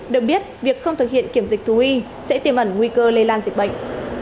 được biết việc không thực hiện kiểm dịch thù y sẽ tiêm ẩn nguy cơ lây lan dịch bệnh